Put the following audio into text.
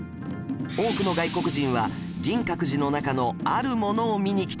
多くの外国人は銀閣寺の中のあるものを見に来ているそうです